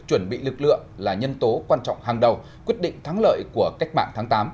chuẩn bị lực lượng là nhân tố quan trọng hàng đầu quyết định thắng lợi của cách mạng tháng tám